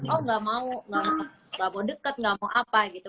oh gak mau deket gak mau apa gitu